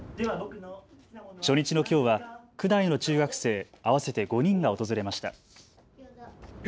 初日のきょうは区内の中学生合わせて５人が訪れました。